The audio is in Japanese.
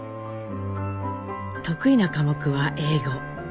得意な科目は英語。